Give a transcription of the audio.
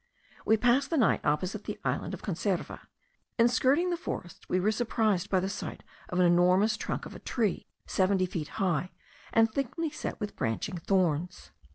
We passed the night opposite the island of Conserva. In skirting the forest we were surprised by the sight of an enormous trunk of a tree seventy feet high, and thickly set with branching thorns.